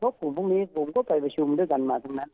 เพราะกลุ่มพวกนี้ผมก็ไปประชุมด้วยกันมาทั้งนั้น